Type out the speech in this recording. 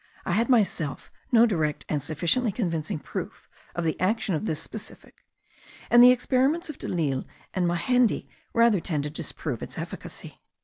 I had myself no direct and sufficiently convincing proof of the action of this specific; and the experiments of Delille and Majendie rather tend to disprove its efficacy.